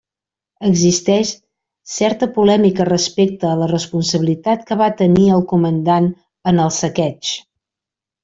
Existeix certa polèmica respecte a la responsabilitat que va tenir el comandant en el saqueig.